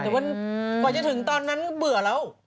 แต่ก่อนจะถึงตอนนั้นเบื่อแล้ว